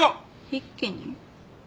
一気に？